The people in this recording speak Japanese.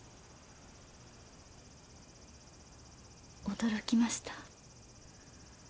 驚きました。